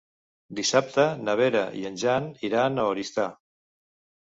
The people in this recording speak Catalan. Dissabte na Vera i en Jan iran a Oristà.